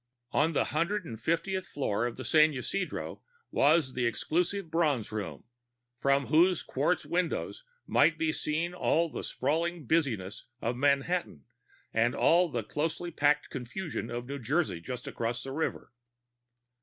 On the hundred fiftieth floor of the San Isidro was the exclusive Bronze Room, from whose quartz windows might be seen all the sprawling busyness of Manhattan and the close packed confusion of New Jersey just across the river.